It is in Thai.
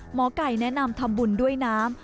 หมอไก่แนะนำทำบุญด้วยน้ำ